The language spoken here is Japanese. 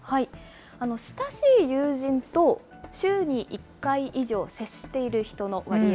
親しい友人と週に１回以上、接している人の割合。